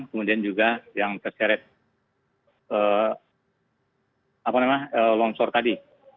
kemudian juga yang terseret longsor tadi